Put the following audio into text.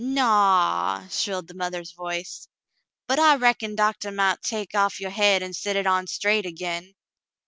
"Naw," shrilled the mother's voice, "but I reckon doctah mount take off your hade an' set hit on straight agin."